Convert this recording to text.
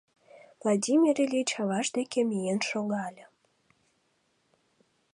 Владимир Ильич аваж деке миен шогале: